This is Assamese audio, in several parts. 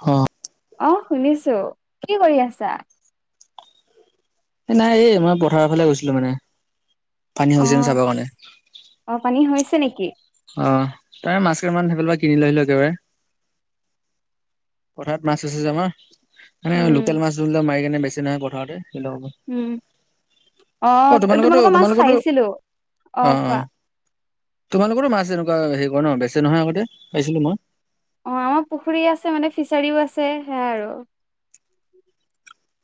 হ অ শুনিছো, কি কৰি আছা? এই নাই এই মই পথাৰৰ ফালে গৈছিলো মানে পানী অ হৈছে ন চাবৰ কাৰণে। অ পানী হৈছে নিকি? অহ তাৰে মাছ কান সেইফালৰপৰা কিনি লৈ আহিলো একেবাৰে। পথাৰত মাছ আছে যে আমাৰ মানে উম লোকেল মাছবিলাক মাৰি কেনে বেছি নহয় পথাৰতে, হেল্ল? উম, অ তোমালোকৰতো তোমালোকৰ মাছ তোমালোকৰতো খাইছিলো, অ কোৱা? তোমালোকৰো মাছ এনেকুৱা হে কৰে ন বেচে নহয় আগতে পাইছিলো মই? অ পুখুৰী আছে মানে ফিচাৰীও আছে সেয়া আৰু।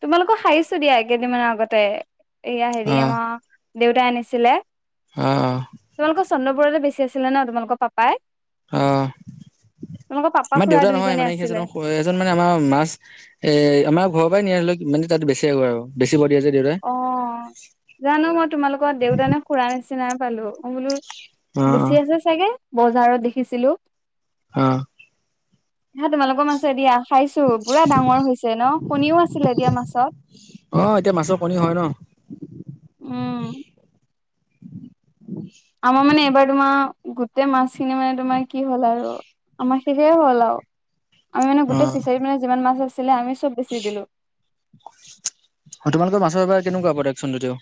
তোমালোকক সাৰিছো দিয়া কেইদিনমানৰ আগতে এয়া হেৰি অ' আমাৰ দেউতাই আনিছিলে। অ। তোমালোকৰ চন্দ্ৰবোৰতে বেছি আছিলে ন তোমালোকৰ পাপাই? অহ, তোমালোকৰ পাপা আমাৰ খুৰা দেউতা নহয় দুইজনে মানে কি আছিলে ক এ টোন মানে আমাৰ মাছ এহ আমাৰ ঘৰৰ পৰাই নিয়াল মানে তাত বেছি আৰু বেচিব দিয়া যে দেউতাই। অহ, জানো মই তোমালোকৰ দেউতানে খুৰা নিচিনাই পালো অ বোলো অ' বেছি আছে চাগে বজাৰত দেখিছিলো। আ। হা তোমালোকৰ মাছে দিয়া খাইছো, পুৰা ডাঙৰ হৈছে ন কণীও আছিলে দিয়া মাছত। অ এতিয়া মাছৰ কণী হয় ন? উম। আমাৰ মানে এইবাৰ তোমাৰ গোতেই মাছখিনি মানে তোমাৰ কি হল আৰু আমাৰ শেষেই হ'ল আৰু আমি মানে গোটেই অ' ফিচাৰীত মানে যিমান মাছ আছিলে আমি চব বেছি দিলো। হয় তোমালোকৰ মাছৰ বা কেনেকুৱা প্ৰদাকচন তেদিও।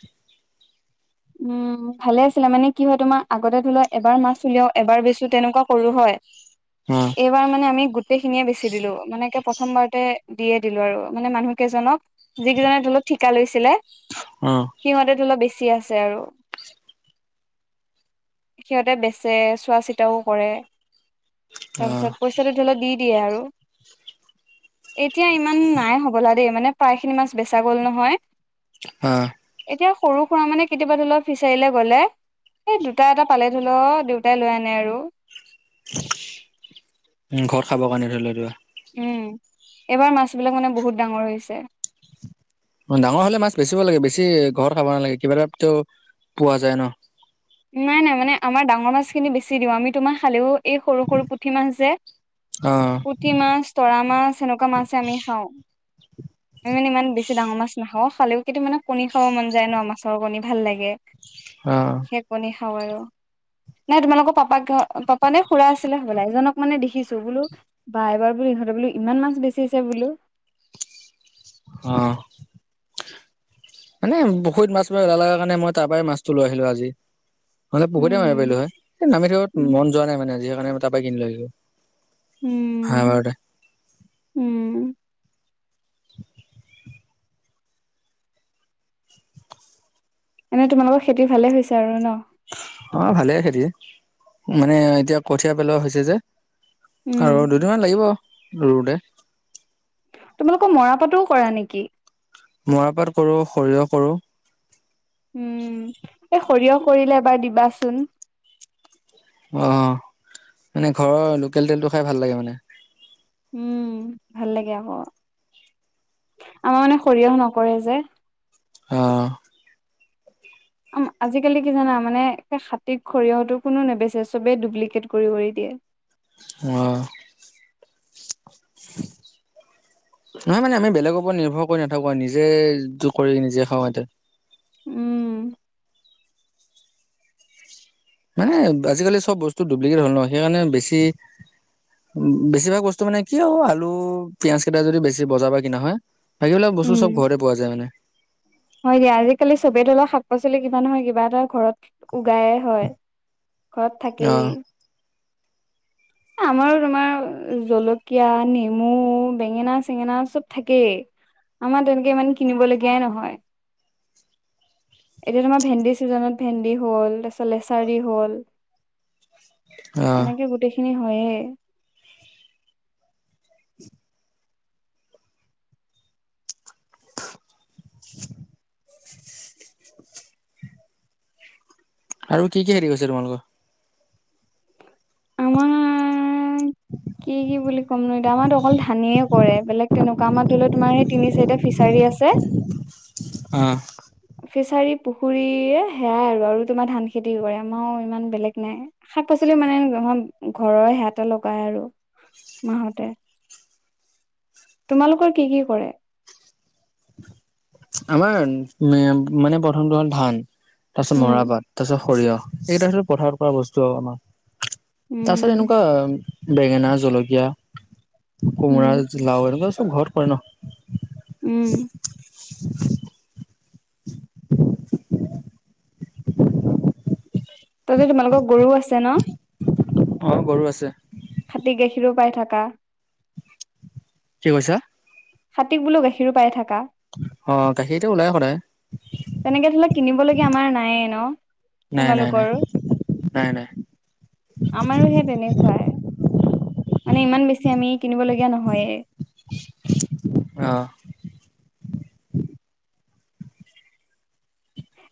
উম ভালে আছিলে মানে কি হয় তোমাৰ আগতে ধৰি লোৱা এবাৰ মাছ উলিয়াও, এবাৰ বেচো তেনেকুৱা কৰো হয় হ। বাৰ মানে আমি গোটেইখিনিয়ে বেচি দিলো মানে কি প্ৰথমবাৰতে দিয়ে দিলো আৰু মানে মানুহকেইজনক যিকেইজনে তলত ঠিকা লৈছিলে। অ। সিহঁতেতো অলপ বেছি আছে আৰু সিহঁতে বেচে চোৱা চিতাও কৰে অ', তাৰপিছত কৈ- যতে সলেও দি দিয়ে আৰু এতিয়া ইমান নাই হবলা দেই মানে প্ৰায় খিনি মাছ বেচা গ'ল নহয়। অ এতিয়া সৰু সুৰা মানে। কেতিয়াবা ধৰি লওক ফিচাৰীলৈ গ'লে এই দুটা এটা পালে ধৰি লও দেউতাই লৈ আনে আৰু উম ঘৰত খাব কাৰণে ধৰি লও ৰোৱা উম এইবাৰ মাছ বিলাক মানে বহুত ডাঙৰ হৈছে। ডাঙৰ হলে মাছ, বেচিব লাগে বেছি ঘৰত খাব নালাগে কিবা এটা তে পোৱা যায় ন। নাই নাই মানে আমাৰ ডাঙৰ মাছখিনি বেছি দিওঁ আমি তোমাৰ খালেও- এই সৰু সৰু পুঠি মাছ যে- অ', পুঠি, মাছ তৰা, মাছ এনেকুৱা মাছে আমি খাওঁ। আমি মানে ইমান বেছি ডাঙৰ মাছ নাওঁ খালেও কিন্তু মানে কণী খাব মন যায় ন মাছৰ কণী ভাল লাগে। অ নে কণী, খাওঁ আৰু- নাই তোমালোকৰ পাপাক ঘৰ পাপা নে খুৰা আছিলে বোলে এজনক মানে দেখিছো বোলো। বা এবাৰ বো ইহঁতে বোলো ইমান মাছ, বেচিছে বোলো অঁ মানে পুখুৰীত মাছ লগাৰ কাৰণে মই তাৰ পৰাই মাছটো লৈ আহছিলো আজি। মানে পুখুৰীতে মাৰিব উম। পাৰিলো হয়েই নামি থাকিব মন যোৱা নাই মানে আজ সেই কাৰণে তাৰ পৰা কিনিলৈ আহিলো চাৰে উম বাৰটা উম এনে তোমালোকৰ খেতি ভালে হৈছে আৰু ন। অ ভালে খেতি মানে এতিয়া কঠিয় পেলোৱা হৈছে যে। উম আৰু দুদিনমান লাগিব ৰুওতে তোমালোকৰ মৰাপাতোও কৰা নেকি? মৰাপাট, কৰোঁ সৰিয়হ, কৰোঁ। উম এই সৰিয়হ কৰিলে এবাৰ দিবাচোন। অ মানে ঘৰৰ লোকেল তেলটো খাই ভাল লাগে মানে। উম ভাল লাগে আকৌ আমাৰ মানে সৰিয়হ নকৰে যে। অঁ অ আজিকালি কি জানা মানে খাতীৰ সৰিয়হটো কোনো নেবেচে চবেই ডুপ্লিকেট কৰি কৰি দিয়ে। অ নহয় মানে আমি বেলেগৰ ওৰত নিৰ্ভৰ কৰি নাথাকো আৰু নিজে যিটো কৰে নিজে খাওঁ ইতে উম মানে আজিকালি চব বস্তু ডুপ্লিকেট হ'ল ন সেইকাৰণে বেছি- বেছিভাগ বস্তু মানে কি আৰু আলু, পিয়াজ, কেইটা যদি বেছি বজাৰ পৰা কিনা হয়। বাকীবিলাক বস্তু উম। চব ঘৰতে পোৱা যায় মানে হয় দিয়া আজিকালি চবেই তলৰ শাক পাচলি কিবা নহয় কিবা এটা ঘৰত উগায়ে হয় ঘৰত অ থাকেই। আমাৰো তোমাৰ জলকীয়া, নেমু, বেঙেনা-চেঙেনা চব থাকেই। আমাৰ তেনেকে ইমান কিনিবলগীয়াই নহয়। এতিয়া তোমাৰ ভেন্দি, ছিজনত ভেন্দি হ'ল তাৰপিছত লেচাৰী, হ'ল। [inaudible] অ এনেকে গোটেইখিনি হয়য়ে। [unintelligible] আৰু কি কি হেৰি কৰিছে তোমালোকৰ? আমাৰ কি কি বুলি কম ন এতিয়া আমাৰতো অকল ধানেই কৰে বেলেগকে নকৰে আমাৰ ধৰি ল তোমাৰ সেই তিনি চাৰিটা ফিচাৰী আছে। অ ফিচাৰী পুখুৰী এ সেয়াই আৰু আৰু তোমাৰ ধান খেতি কৰে আমাৰ আৰু ইমান বেলেগ নাই। শাক-পাচলি মানে ঘৰৰ সেয়াতে লগাই আৰু মাহঁতে তোমালোকৰ কি কি কৰে? আমাৰ উ মানে প্ৰথমটো হ'ল ধান তাৰপিছত উম মৰাপাট তাৰ পিছত সৰিয়হ এইকেইটা পথাৰত কৰা বস্তু আৰু আমাৰ তাৰ পিছত উম এনেকোৱা বেঙেনা, জলকীয়া, উম কোমোৰা, লাও এনেকোৱা চব ঘৰত কৰে ন উম [unintelligible] তাতে তোমালোকৰ গৰু আছে ন? অ গৰু আছে। খাটী গাখীৰো পাই থাকা কি কৈছা? খাটীক বোলো গাখীৰো পাই থাকা অ গাখীৰতো ওলাই সদায় তেনেকে ধৰিলে কিনিবলগীয়া আমাৰ নাইয়ে ন নাই নাই নাই তোমালোকৰো নাই নাই আমাৰো হে তেনেকোৱাই মানে ইমান বেছি আমি কিনিবলগীয়া নহয়েই অ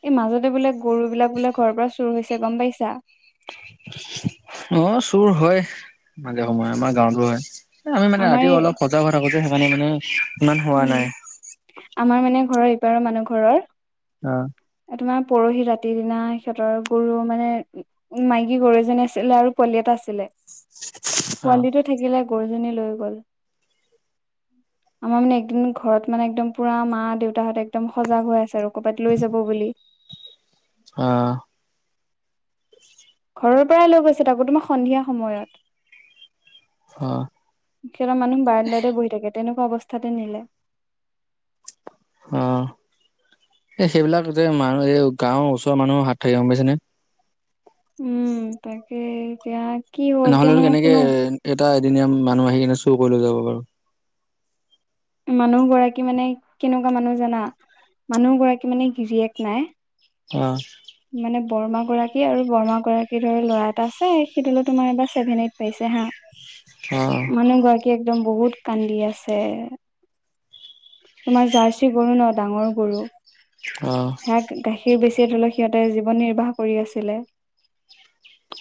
এই মাজতে বোলে গৰু বিলাক বোলে ঘৰৰ পৰা চুৰ হৈছে গম পাইছা অ চুৰ হয় মাজে সময়ে আমাৰ গাঁৱতো হয় আমি মানে আমাৰ ৰাতি এই অলপ সজাগ হৈ থাকো যে সেইকাৰণে মানে ইমান হোৱা উম নাই আমাৰ মানে ঘৰৰ এইপাৰৰ মানুহ ঘৰৰ অ এ তোমাৰ পৰহি ৰাতিৰ দিনা সিহঁতৰ গৰু মানে মাইকী গৰু এজনী আছিলে আৰু পোৱালি এটা আছিলে অ পোৱালীটো থাকিলে, গৰুজনী লৈ গ'ল। আমাৰ মানে এইকেদিন ঘৰত মানে একদম পুৰা মা দেউতাহঁতে একদম সজাগ হৈ আছে আৰু ক'ৰবাত লৈ যাব বুলি। অ' ঘৰৰ পৰাই লৈ গৈছে তাকো তোমাৰ সন্ধিয়া সময়ত। অ' সিহঁতৰ মানুহ বাৰাণ্ডাতে বহি থাকে তেনেকোৱা অৱস্থাতে নিলে। অ' এই সেইবিলাক যে মানুহ এই গাঁওৰ ওচৰৰ মানুহো হাত থাকে গ'ম পাইছেনে। উম, তাকে এতিয়া কি হ'ল এতিয়া নহলেতো মানে কেনেকে কোনো এটা এদিনীয়া মানুহ আহি কিনে চুৰ কৰি লৈ যাব বাৰু। মানুহ গৰাকী মানে কেনেকোৱা মানুহ জানা মানুহ গৰাকী মানে গিৰিয়েক নাই অ' মানে বৰমা গৰাকী আৰু বৰমা গৰাকীৰ ধৰ ল'ৰা এটা আছে সিটোলৈ তোমাৰ এবাৰ ছেভেন - এইট পাইছে হা। মানুহ গৰাকী একদম বহুত কান্দি আছে। তোমাৰ জাৰ্চি গৰু ন ডাঙৰ গৰু। অ সেয়াক গাখীৰ বেছিয়ে ধৰি লোৱা সিহঁতে জীৱন নিৰ্বাহ কৰি আছিলে।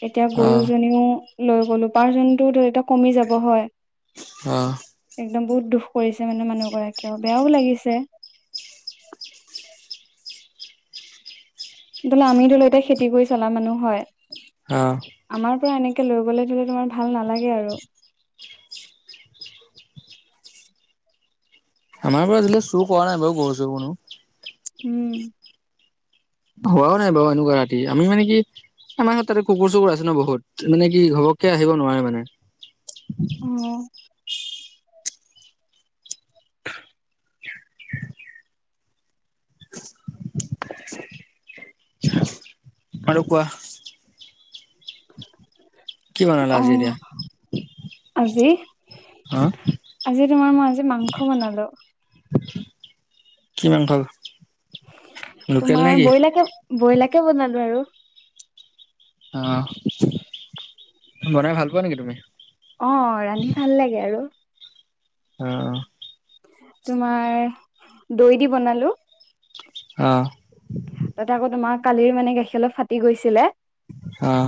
এতিয়া অ গৰুজনীও লৈ গ'ল উপাৰ্জনটো এতিয়া কমি যাব হয়। অহ। একদম বহুত দুখ কৰিছে মানে মানুহগৰাকীয়েও বেয়াও লাগিছে। ধৰি লোৱা আমি ধৰি লোৱা এতিয়া খেতি কৰি চলা মানুহ হয়। অঁ। আমাৰ পৰা এনেকে লৈ গ'লে যদি তোমাৰ ভাল নালাগে আৰু আমাৰ পৰা আজিলৈ চুৰ কৰা নাই বাৰু গৰু -চৰু কোনো। উম। হোৱাও নাই বাৰু এনেকুৱা ৰাতি আমি মানে কি আমাৰ তাতে কুকুৰ চুকুৰ আছে ন বহুত মানে কি ঘপকে আহিব নোৱাৰে মানে। অ আৰু কোৱা? কি বনালা অ আজি এতিয়া আজি হা আজি তোমাৰ মই আজি মাংস বনালো। কি মাংস? লোকেল নে তোমাৰ কি বইলাকে বইলাকে বনালো আৰু। অঁ বনাই ভাল পোৱা নেকি তুমি? অঁ ৰান্ধি ভাল লাগে আৰু। অঁ অঁ। তোমাৰ দৈ দি বনালো। অঁ। তাতে আকৌ তোমাৰ কালিৰ মানে গাখীৰ অলপ ফাটি গৈছিলে। অঁ।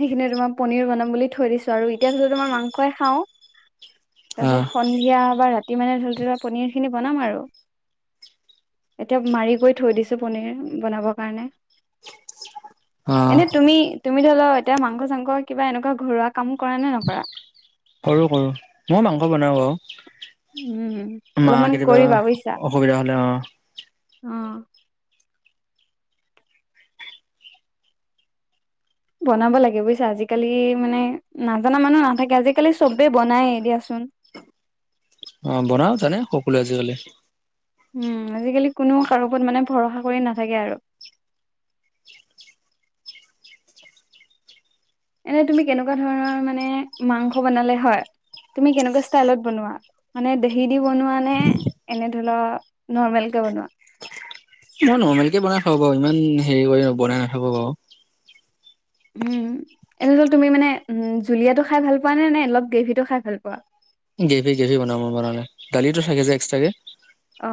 সেইখিনি তোমাৰ পনীৰ বনাম বুলি থৈ দিছো আৰু এতিয়া ধৰি লোৱা তোমাৰ মাংসই খাওঁ তাৰ পিছত সন্ধিয়া বা ৰা তি মানে ধৰি লোৱা পনিৰ খিনি বনাম আৰু এতিয়া মাৰি কৰি থৈ দিছো। পনীৰ বনাবৰ কাৰণে। অ অ এনে তুমি তুমি ধৰি লোৱা এতিয়া মাংস চাংস কিবা এনেকুৱা ঘৰুৱা কাম কৰা নে নকৰা? কৰোঁ কৰোঁ মই মাংস বনাও আৰু উম মাঁ অলপমান কেতিয়াবা কৰিবা অসুবিধা হলে অঁ। অঁ। বনাব লাগে বুজিছা আজিকালি মানে নাজানা মানুহ নাথাকে আজিকালি চবে বনায় দিয়াচোন। অ' বনাব জানে সকলোৱে আজিকালি। উম, আজিকালি কোনো কাৰো ওপৰত মানে ভৰসা কৰি নাথাকে আৰু। এনে তুমি কেনেকুৱা ধৰণৰ মানে মাংস বনালে হয় তুমি কেনেকুৱা ষ্টাইলত বনোৱা? মানে দহি দি বনোৱা নে এনে ধৰি লও নৰ্মেল কে বনোৱা? মই নৰ্মেল কে বনাই খাব পাৰো ইমান হেৰি কৰি বনাই নাথাক বাৰু। উম এনে ধৰি লোৱা তুমি মানে উম জুলীয়াটো খাই ভাল পোৱা নে, নে অলপ গ্ৰেভিটো খাই ভাল পোৱা? গ্ৰেভি গ্ৰেভি বনাম মই বনালে দালিটো থাকে যে এক্সট্ৰাকে। অ।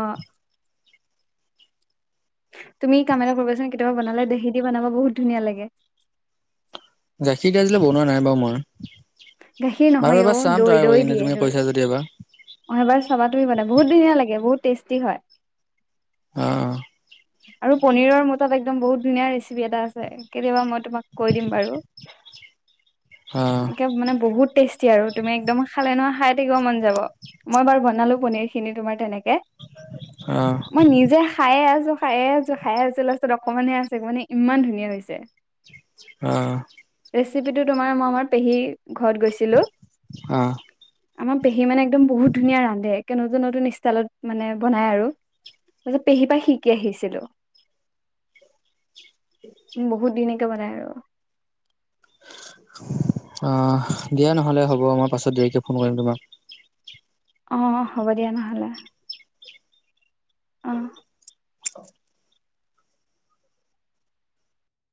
তুমি কাম এটা কৰিবাচোন কেতিয়াবা বনালে দহি দি বনাব চোন বহুত ধুনীয়া লাগে। গাখীৰ দি আজিলৈ বনোৱা নাই বাৰু মই। গাখীৰ বাৰু নহয় অ এবাৰ চাম ট্ৰাই মাৰিকিনে তুমি কৈছা যদি এবাৰ। অঁহ এবাৰ চাবা তুমি বানাই বহুত ধনীয়া লাগে বহুত টেষ্টি হয়। অঁহহ। আৰু পনীৰৰ মোৰ তাত একদম বহুত ধুনীয়া ৰেচিপি এটা আছে। কেতিয়াবা মই তোমাক কৈ দিম বাৰু। [unintelligible] অ একে মানে বহুত টেষ্টি আৰু তুমি একদম খালে নহ খাই থাকিব মন যাব। মই বাৰ বনালো পনিৰ খিনি তোমাৰ তেনেকে। অ', মই নিজে খায়ে আছো, খায়ে আছো, খায়ে আছো লাষ্টত অকমানহে আছে মানে ইমান ধুনীয়া হৈছে। আহ। ৰেচিপিটো তোমাৰ মই আমাৰ পেহী ঘৰত গৈছিলো অ', আমাৰ পেহী মানে একদম বহুত ধুনীয়া ৰান্ধে, ক নতুন নতুন ষ্টাইলত মানে বনাই আৰু। তাৰপিছত পেহী পৰা শিকি আহিছিলো। [inaudible] বহুত ধুনীয়াকে বনাই আৰু। অ দিয়া নহলে হ'ব মই পাছত দেয়কে ফোন কৰিম তোমাক। অ হ'ব দিয়া নহ'লে। অহ